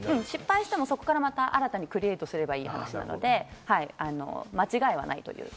失敗しても、そこからまた新たにクリエイトすればいいので間違いはない。